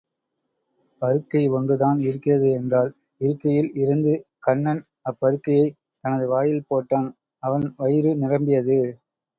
பருக்கை ஒன்றுதான் இருக்கிறது என்றாள், இருக்கையில் இருந்து கண்ணன் அப்பருக்கையைத் தனது வாயில் போட்டான் அவன் வயிறு நிரம்பியது.